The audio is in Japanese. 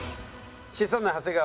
シソンヌ長谷川。